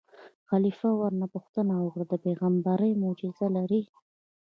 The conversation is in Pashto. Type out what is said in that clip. خلیفه ورنه پوښتنه وکړه: د پېغمبرۍ معجزه لرې.